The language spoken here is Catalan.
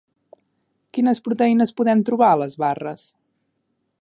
Quines proteïnes podem trobar a les barres?